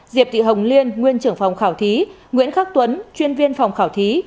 diệp thị hồng liên nguyên trưởng phòng khảo thí nguyễn khắc tuấn chuyên viên phòng khảo thí